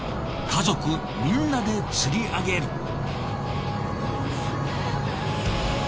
家族みんなで釣り上げる。